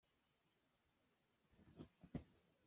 Amah lawng a ummi khi pahmei ti khawh an si maw?